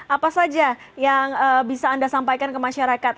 apa saja yang bisa anda sampaikan ke masyarakat